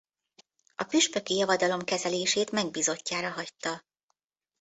A püspöki javadalom kezelését megbízottjára hagyta.